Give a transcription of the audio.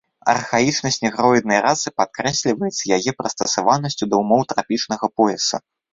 Архаічнасць негроіднай расы падкрэсліваецца яе прыстасаванасцю да ўмоў трапічнага пояса.